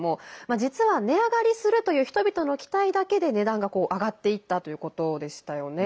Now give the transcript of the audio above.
実は値上がりするという人々の期待だけで値段が上がっていったということでしたよね。